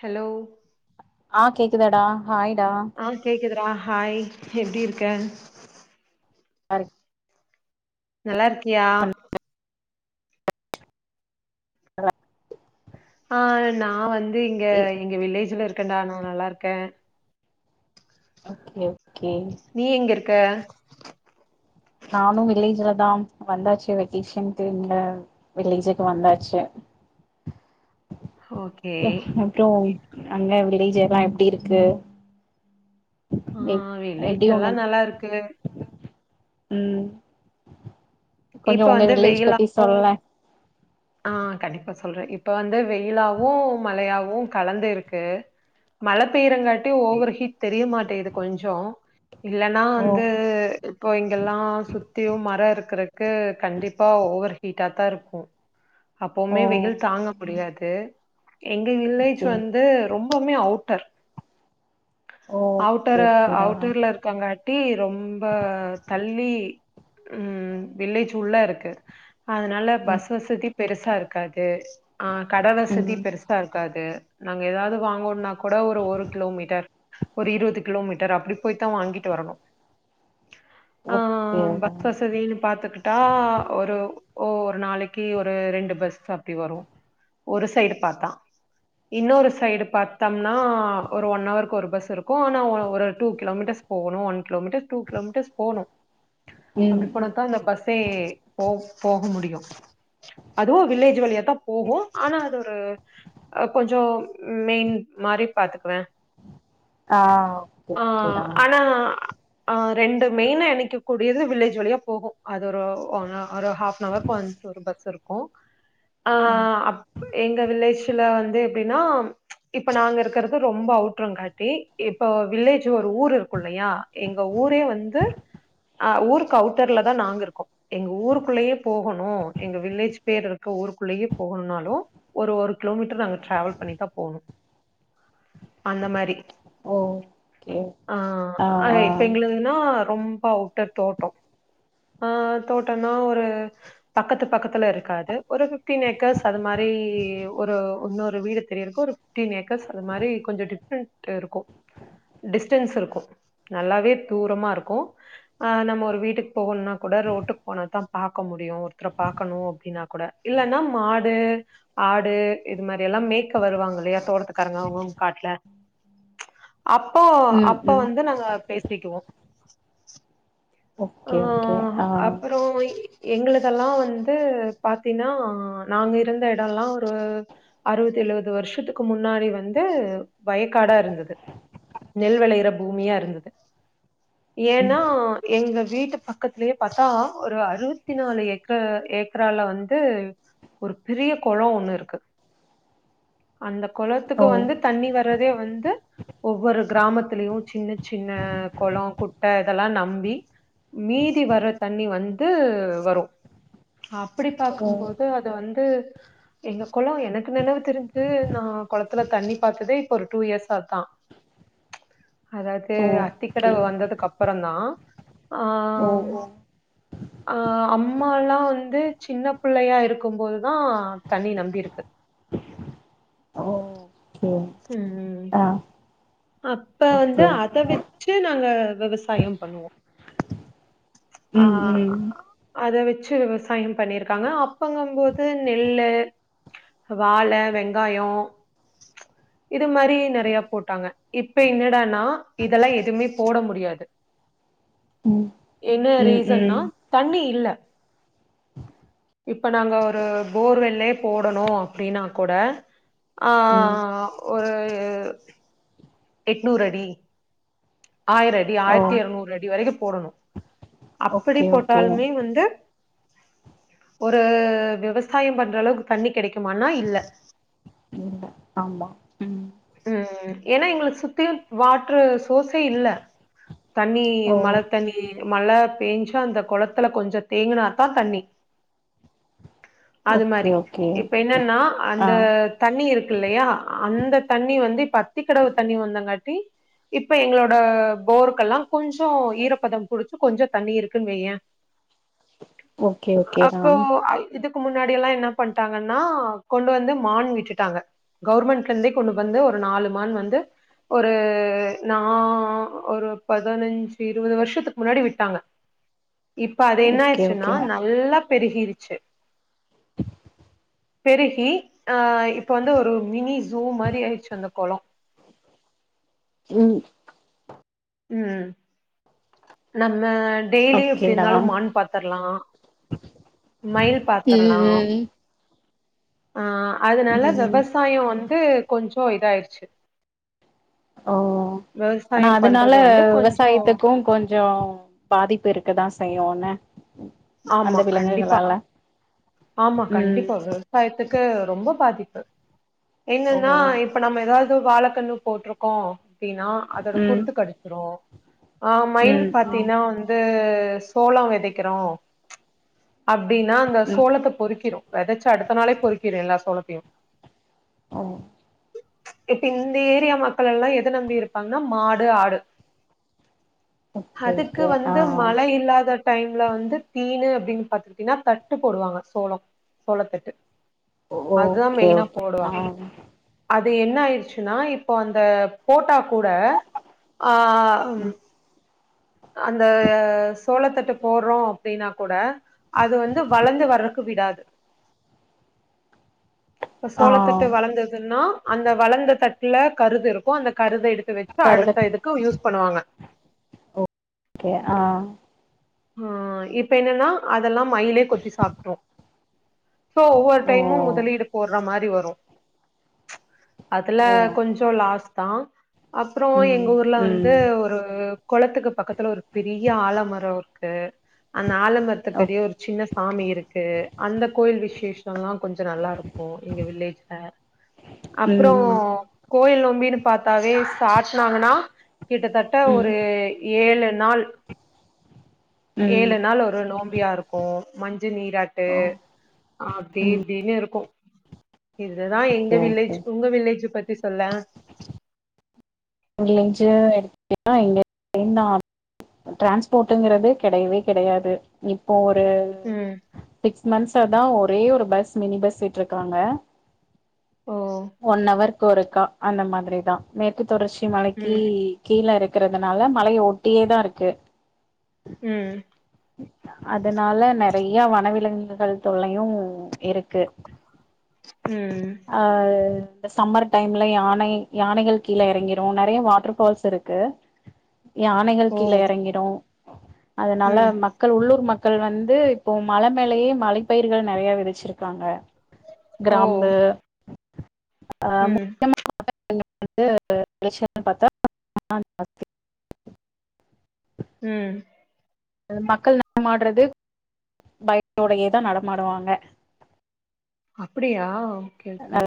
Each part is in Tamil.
ஹெலோ ஆ கேக்குதாடா ஹாய்டா ஆ கேக்குதுடா ஹாய் எப்டி இருக்க அன் நல்லாருக்கியா ற ஆ நா வந் து இங்க ஏ, எங்க வில்லேஜ்ல க்கன்டா நா நல்லாருக்கே ஓகே ஓ நீ எங்க இரு க்க நானு வில்லேஜ்லதா வந்தாச்சு வெக்கேஷன்க்கு இங்க வில்லேஜுக்கு வந்தாச்சு ஓகே அப்றோ அங்க வில்லேஜெல்லா எப்டி இருக்கு ஆ எப்டி வில்லேஜலா உனக் நல்லாருக்கு ம் கொஞ்ச இப்ப உங்க வந்து வில்லேஜ் பத்தி வெயிலாவு சொல்லே ஆ கண்டிப்பா சொல்ற இப்ப வந்து வெயிலாவு மழையாவவு கலந்து இருக்கு மழை பெய்றங்கா ட்டி ஓவர் ஹீட் தெரிய மாட் இது கொஞ்சோ இல்லன்னா ஓ வந்து இப்போ இங்கெல்லா சுத்தியு மரம் இருக்குற க்கு கண்டிப்பா ஓவர் ஹீட்டாத்தா இருக்கு. ஓ அப்போவுமே வெயில் தாங்க முடியாது எங்க வில்லேஜ் ஓகே வந்து ரொம் போமே அவுட்டர் ஓ ஓகே அவுட்டரா ஓகேடா அவுட்டர்ல இருக்காங்க ட்டி ரொம்ப தள்ளி ம் வில்லேஜ் உள்ள இருக்கு அதனால ம் பஸ் வசதி பெருசா இருக்காது ஆஹ் கட வசதி ம் பெருசா இருக்காது து நாங்க ஏதாது வாங்கனோம்னா கூட ஒரு ஒரு கிலோமீட்டர் ஒரு இருவது கிலோமீட்டர் அப்டி போயித்தா வாங்கிட்டு வரணு ஆஹ் ஓகேடா பஸ் வசதி ட்டா ஒரு ஒரு நாளைக்கு ஒரு ரெண்டு பஸ் அப்டி வரோ ஒரு சைடு பாத்தா இன்னொரு சைடு பாத்தம்னா ஒரு ஒன் ஹவர்கு ஒரு பஸ் இருக்கும் ஆனா ஒரு டூ கிலோமீட்டர்ஸ் போகணு ஒன் கிலோமீட்டர் டூ கிலோமீட்டர்ஸ் போணும் உம்ம் சே போ போக முடியு அதுவு வில்லேஜ் வழியா தா போகூ ஆனா அது ஒரு கொஞ்சோ மெயின் மாரி பாத்துக்குவே ஆ ஓகே ஆஹ் ஓகேடா ஆனா ஆஹ் ரெண்டு மெயின இனைக்கக் கூடியது வில்லேஜ் வழியா போகோ அது ஒரு ஹாஃபன் அவருக்கு ஒன்ஸ் ஒரு பஸ் இருக்கோ ஓ ஆஹ் எங்க வில்லேஜ்ல வந்து எப்டின்னா இப்ப நாங்க இருக்கறது ரொம்ப அவுட்டரம்ங்காட்டி இப்ப வில்லேஜ்ல ஒரு ஊர் இருக்கும் இல்லையா எங்க ஊரே வந்து ஆஹ் ஊருக்கு அவுட் தெருல தா நாங்க இருக்கோ எங்க ஊருக்குள்ளேயே போகணு எங்க வில்லேஜ் பேர் இருக்க ஊருக்குள்ளயே போகணும்னாலு ஒரு ஒரு கிலோமீட்டர் நாங்க டிராவல் பண்ணிதா போணு அந்த மாரி ஓகே ஆஹ் ஆ ஹ இப்ப ஆ எங்களதுன்னா ரொம்ப அவுட்டர் தோட்டோ ஆஹ் தோட்டம்னா ஒரு பக்கத்து பக்கத்துல இருக்காது ஒரு ஃப்டீன் ஏக்கர்ஸ் அது மாரி ஒரு இன்னொரு வீடு தெரியற்க்கு ஒரு ஃப்டீன் ஏக்கர்ஸ் அது மாரி கொஞ்சௌ டி ஃப்ரெண்ட்ஸ் இருக்கோ டிஸ்டன்ஸ் இருக்கோ நல்லாவே தூரமா இருக்கோ ஆஹ் நம்ம ஒரு வீட்டுக் போகணும்னா கூட ரோட்டுக்கு போனாதா பாக்க முடியு ஒருத்தர பாக்கணு அப்டின்னா கூட இல்லன்னா மாடு ஆடு இது மாரி எல்லா மேய்க்க வருவாங்க இல்லையா தோட்டத்துக்காரங்க அவுங்கவுங்க காட்டுல அப்போ ம் அப்ப ம் வந்து நாங்க பேசிக்குவோ ஓகே ஓகே ஆஹ் எங்களதெல்லா வந்து பாத்தீன்னா நாங்க இருந்த எடோல்லா ஒரு அறுவது எழுவது வருஷத்துக்கு முன்னாடி வந்து வயக்காடா இருந்தது நெல் விளையுற பூமியா இருந்தது ம் ஏன்னா எங்க வீட்டு பக்கத்திலயே பாத்தா ஒரு அறுவத்தி நாலு ஏக்கர் ஏக்கரால வந்து ஒரு பெரிய குளோ ஒண்ணு இருக்கு அந்த ஓ குளத்துக்கு வந்து தண்ணி வரதே வந்து ஒவ்வொரு கிராமத்துலேயு சின்ன சின்ன கொளோ குட்ட இதெல்லா நம்பி மீதி வர தண்ணி வந்து வரோ அப்டி ஓ பாக்கும்போது அது வந்து எங்க கொளோ எனக்கு நெனைவு தெரிஞ்சு நா கொளத்துல தண்ணி பாத்ததே இப்ப ஒரு டூ இயர்ஸா தா அதாவது ஓகே அத்திக்கடவு வந்ததுக்கு அப்புறோ தா ஓ ஆஹ் ஓ அஹ் அம்மால்லா வந்து சின்ன பிள்ளையா இருக்கும்போதுதா தண்ணி நம்பிருக்கு ஒ ம் ஆ அப்ப வந்து ஓகே அத வெச்சு நாங்க விவசாயோ பண்ணுவோ ஆ ம் ம் அத வெச் ச்சு விவசாயம் பண்ணிருக்காங்க அப்பங்கும்போது நெல்லு வாழை வெங்காயோ இது மாரி நறைய போட்டாங்க இப்ப என்னடானா இதெல்லா எதுமே போட முடியாது ம் என்ன ம் ரீசன்னா ம் தண்ணி இல்ல இப்ப நாங்க ஒரு போர்வெல்லே போடணோ அப்டீன்னா கூட ஆ ம் ஒரு அ எட்நூறு அடி ஆயிரம் அடி ஓ ஆயிரத்து எறநூறு அடி வரைக்கும் போடணோ அப்படி ஓகே ஓகே போட்டாலுமே வந்து ஒரு விவசாயம் பண்ற அளவுக்கு தண்ணி கிடைக்குமானா இல்ல ம் ஆமா ம் ம் ஏன்னா எங்களை சுத்தியும் வாட்ரு சோர்ஸே இல்ல தண்ணி ஓ மழை தண்ணி மழை பேஞ்சா அந்த குளத்துல கொஞ்சோ தேங்குனாதா தண்ணி அது ஓகே மாரி ஓகே இப்ப என்னன்னா ஆ அந்த தண்ணி இருக்கு இல்லையா அந்த தண்ணி வந்து பத்தி கடவு தண்ணி வந்தங்காட்டி இப்ப எங்களோட போருக்கெல்லாம் கொஞ்சோ ஈரப்பதம் குடிச்சு கொஞ்சோ தண்ணி இருக்குன்னு வைய ஓகே ஓகேடா அப்போ இது முன்னாடிலா என்ன பண்டாங்கனா கொண்டு வந்து மான் விட்டுட்டாங்க கவர்மெண்ட்ல இருந்து கொண்டு வந்து ஒரு நாலு மான் வந்து ஒரு நா ஒரு பதினஞ்சு இருபது வருஷத்துக்கு முன்னாடி விட்டாங்க இப்ப அது என்ன ஓகே ஆயிடுச்சுன்னா ஓகே நல்லா பெரிஹுரிச்சு பெருகி ஆ இப்ப வந்து ஒரு மினி ஜூ மாரி ஆயிடுச்சு அந்த கொளோ ம் ம் நம்ம டெய்லியும் எப்டி ஓகேடா இருந்தாலு மான் பாத்துருலா மயில் பாத்துருலா ம் ஆ அதனால ம் ம் விவசாயோ வந் அது கொஞ்சோ இதாயிடுச்சு ஓ ஆனா அது அதனால பண்றது வந்து கொஞ்சோ விவசாயத்துக்கும் கொஞ்சம் பாதிப்பு இருக்குதான் ச ய்யும் எனா அந்த ஆமா கண்டிப்பா விலங்குகளால ஆமா ம் கண்டிப்பா விவசாயத்துக்கு ரொம் ப பாதிப்பு ஓ என்னன்னா இப்ப நம்ம ஏதா து வாழைக்கண்ணு போட்ருக்கோம் அப்டின்னா அதோட ம் குறுத்து கடிச்சிரும் ஆஹ் மைல் ம் ம் பாத்தீன்னா வந் சோளம் விதைக்கிறோம் அப்டின்னா ம் சோளத்த பொறுக்கிறோம் விதைச்சு அடுத்த நாளே பொறிக்கிரு எல்லா சோழத்தையும் ஆஹ் இப்ப இந்த ஏரியா மக்கள் எல்லாம் எதை நம்பி இருப்பாங்கன்னா மாடு ஆடு ஓகே அதுக்கு ஓகே ஆ வந்து மழை இல்லாத டைம்ல வந்து தீனு அப்டின்னு பாாரத்துட்டீங்கன்னா தட்டு போடுவாங்க சோளம் சோளத்தட்டு அதான் ஓகே மெயினா ஓகே ஆ போடுவாங்க அ து என்ன ஆயடுச்சுன்னா இப்போ அந்த போட்டா கூட ஆஹ்ம் அந்த சோழத்தட்டு போடுறோம் அப்டின்னா கூட அது வந்து வளர்ந்து வர்றதுக்கு விடாது இப்ப ஆ சோளத்திட்ட வளர்ந்ததுன்னா அந்த வளர்ந்த தட்டுல கருது இருக்கும் அந்த கருத எடு த்து வச்சு சரி அடுத்த இதுக்கு யூஸ் பண்ணுவாங்க ஓகே ஆஹ் ஆஹ் இப்ப என்னன்னா அதெல்லாம் மயிலே கொத்தி சாப்டோம் சோ ஒவ்வொரு ஓ டைமும் முதலீடு போடுற மா ரி வரும் அதுல ஓ கொஞ்சம் லாஸ்ட் தான் அப்புறம் ம் எங்க ஊர்ல வந்து ம் ஒரு குளத்துக்கு பக்கத்துல ஒரு பெரிய ஆலமரம் இரு க்கு அந்த ஆலம்பரத்து அடியே ஓகே ஒரு சின்ன சாமி இருக்கு அந்த கோயில் விசேஷ ல்லாம் கொஞ்சம் நல்லா இருக்கும் எங்க வில்லேஜ்ல அப்புறம் ம் கோயிலும் நம்பினு பாத்தாவே சாட்டனாங்கன்னா கிட்டத்தட்ட ம் ஒரு ஏழு நாள் ம் ஏழு நாள் ஒரு நோ யா இருக்கும் மஞ் நீராட்டு ஓ அப்படி ம் இப்படின்னு இருக்கும் இதுதான் எங்க ஓகே வில்லேஜ் ஓகே உங்க வில்லேஜ் பத்தி த்தி சொல்ல [unintelligible] டிரான்ஸ்போர்ட்ங்றது கெடையவே கெடையாது இப்போ ஒரு ம் சிக்ஸ் மன்த்ஸ் இப்ப தான் ஒரே ஒரு பஸ் மினி பஸ் விட்டுருக்காங்க ஓ ஒன் அவர் கொறுக்கா அந்த மாதிரிதா நேத்து தொடற்சியா மலைக்கு ம் கீழ எறக் இருக்கிறதுனால மலய ஒட்டியேதா இருக்கு உம் அதனால நெறயா வனவிலங்குகள் தொல்லையு இருக்கு ம் ஆஹ் இந்த சம்மர் டைம்ல யானை யானைகள் கீழ இறங்கிரு நெறயா‌ வாட்டர் ஃபால்ஸ் இருக்கு யானைகள் ஓ கீழ இறங்கிடு அதனால ம் மக்கள் உள்ளூர் மக்கள் மக்கள் வந்து இப்போ மழ மேலயே மழப்பயிர்கள் நெறயா விதச்சிருக்காங்க ஓ ஹிராம்பு ஆஹ ம் முக்யமா ஞ்சோ வெளைச்சல்னு பாத்தா [inaudible] உம் அது மக்கள் நடமாடறது பயதோடயேதா நடமாடுவாங்க அப்டியா ஓகே ஓகே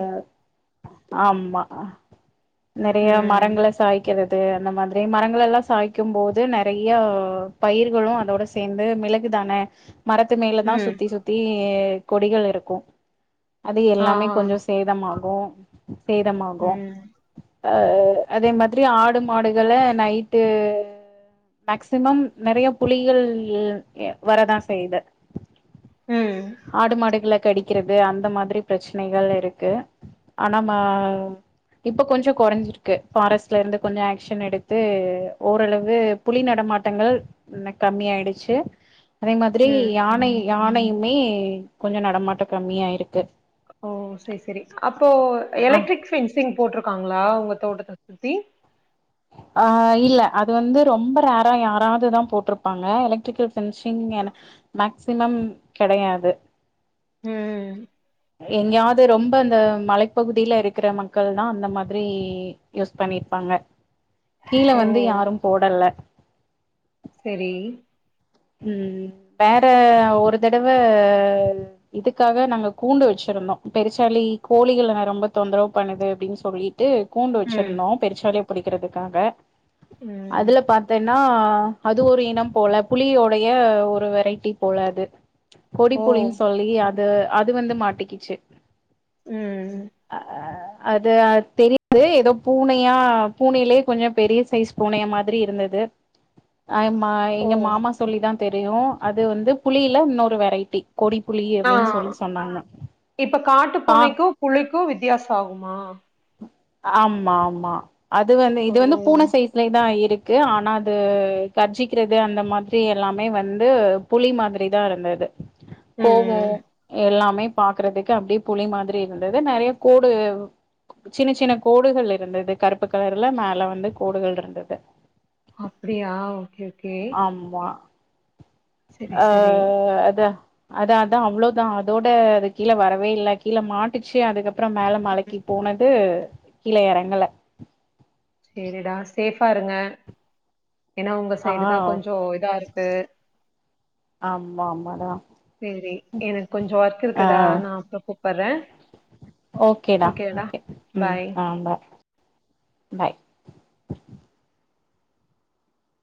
ஆமா நெறைய ம் மரங்கள சாய் வெக்கிறது அந்த மாதிரி மரங்கள எல்லா சாய்கும் போது நெறைய பயிர்களு அதோட சேந்து மிளகுதானே மரத்து மேல தா ம் சுத்தி சுத்தி கொடிகள் இருக்கு அது ஆ ஆ எல்லாமே கொஞ்சோ சேதமாக் கு சேதமாகு ம் ஆஹ் அதே மாதிரி ஆடு மாடுகள நைட்டு மேக்சிமம் நெறைய புலிகள் எ வரதா செய்து ம் ஆடு மாடுகல கடிக்கிறது அந்த மாதிரி பிரச் சனைகள் இருக்கு ஆன மா இப்ப கொஞ்சொ கொறஞ்சிருக்கு ஃபாரஸ்ட்ல இருந்து கொஞ்ச ஆக்ஷன் எடுத்து ஓரளவு புலி நடமாட்டங்கள் ன கம்மி ஆயிடுச்சு அதே மாதிரி ம் யானை யானையுமே கொஞ்ச நடமாட்ட கம்மியா இருக்கு ஓ செரி செரி அப்போ ஆ எலக்ட்ரிக் பெஃபன்சிங் போட்டுருக்காங்களா உங்க தோட்டத்த சுத்தி அஹ் இல்ல அது வந்து ரொம்ப ரேர்ரா யாராவதுதா போட்ருப்பாங்க எலக்ட்ரிக்கல் ஃபன்ஷிங்கென மேக் சிமம் கெடையாது ஹும் எங்கயாவது ரொம்ப அந்த மலைப்பகுதியில இருக்கிற மக்கள் தா அந்த மாதிரி யூஸ் பண்ணிருப்பாங்க கீழே ஓ வந்து யாரும் போடல சரி உம் வேற ஒரு தடவ இதுக்காக நாங்க கூண்டு வச்சிருந்தோ பெருசாலி கோழிகளநா ரொம்ப தொந்தரவு பண்ணுது அப்டின்னு சொல்லி து கூண்டு ம் வெச்சுருந்தோ பெருச்சாலி பிடிக்கிறதுக்காக ம் அதுல பார்த்தேன் னா அது ஒரு இனம் போல புலியோடைய ஒரு வெரைட்டி போலா அது கொடி ஓ புலின்னு சொல்லி அ அ அது வந்து மாட்டிக்கிச்சு ம் அஹ்ஹ் அது அ தெரியாது ஏதோ பூனையா பூனையிலயே கொஞ்சொ பெரிய சைஸ் பூனைய மாதிரி இருந்தது ஆமா ஓ எங்க மா புலி தா தெரியு அது வந்து புளியில இன்னொரு வெரைட்டி கொடி புளி அப்டின்னு ஆஹ் சொல்லி சொன்னாங்க இப்ப காட்டு ஆ பூனைக்கும் புலிக்கும் வித்தியாசம் ஆகுமா ஆமா ஆமா அது வந்து ஓ இது வந்து பூனை சைஸ்லயதான் இரு க்கு ஆனா அது கர்ஜிக்கிறது அந்த மாதிரி எல்லாமே வந்து புலி மாதிரி தான் இருந்தது ம் கோபம் எல்லாமே பாக்குறதுக்கு அப்டியே புலி மாதிரி இருந்தது நெறைய கோடு சின்ன சின்ன கோடுகள் இருந்தது கருப்பு கலர்ல மேல வந்து கோடுகள் இருந்தது அப்டியா ஓகே ஓகே ஆமா செரி செரி ஆஹ் அதான் அத அதா அவ்ளோதா அதோட அது கீழே வரவே இல்லை கீழே மாட்டுச்சு அதுக் அப்றோ மேல மலைக்கு போனது கீழ இறங்கள செரிடா சேஃபா இருங்க ஏனா உங்க ஆ சைடு தா கொஞ்சோ இதா இருக்கு வடா சேரி எனக்கு கொஞ்சோ ஒர்க் இருக்குடா நா அப்பறோ கூப்படுறே ஓகேடா ஓகே ம் பாய் ஆ பா பாய்